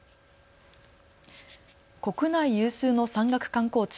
国内有数の山岳観光地